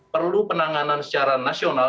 perlu penanganan secara nasional